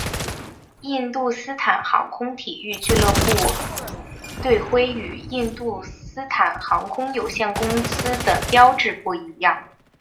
印度斯坦航空体育俱乐部队徽与印度斯坦航空有限公司的标志不一样。